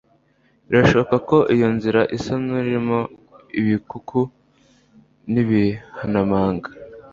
Birashoboka ko iyo nzira isa n'irimo ibikuku n'ibihanamanga,